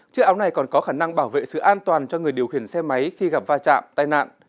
chiếc áo này còn có khả năng bảo vệ sự an toàn cho người điều khiển xe máy khi gặp va chạm tai nạn